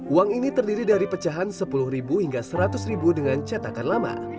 uang ini terdiri dari pecahan sepuluh hingga seratus ribu dengan cetakan lama